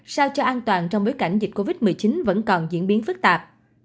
sao cho an toàn trong bối cảnh dịch covid một mươi chín vẫn còn diễn biến phức tạp